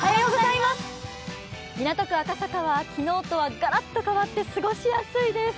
港区赤坂は昨日とはがらっと変わって過ごしやすいです。